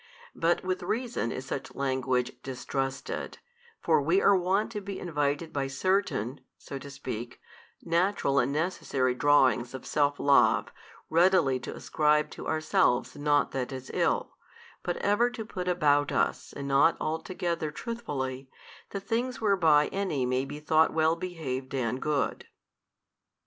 But with reason is such language distrusted; for we are wont to be invited by certain (so to speak) natural and necessary drawings of self love, readily to ascribe to ourselves nought that is ill, but ever to put about us and not altogether truthfully, the things whereby any may be thought well behaved and good.